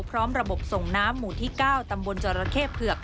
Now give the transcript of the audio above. พร้อมระบบส่งน้ำหมู่ที่๙ตำบลจรเข้เผือก